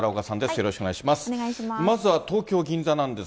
よろしくお願いします。